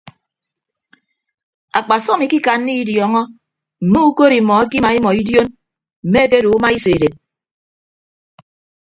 Akpasọm ikikanna idiọọñọ mme ukod imọ ekima imọ idion mme ekedo uma iso edet.